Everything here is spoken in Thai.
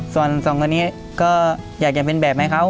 ส่วนสองคนนี้ก็อยากจะเป็นแบบให้เขา